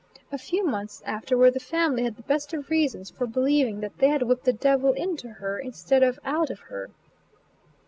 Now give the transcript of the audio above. A few months afterward the family had the best of reasons for believing that they had whipped the devil into her, instead of out of her.